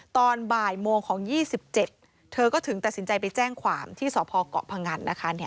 ตอนบ่ายโมงของ๒๗เธอก็ถึงตัดสินใจไปแจ้งความที่สพเกาะพงันนะคะ